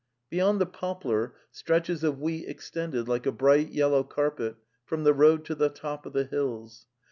\\..)' Beyond" the poplar stretches of wheat extended like a bright yellow car pet from the road to the top of the hills.